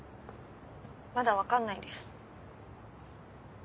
まだ分かんないです。